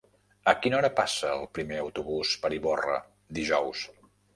A quina hora passa el primer autobús per Ivorra dijous?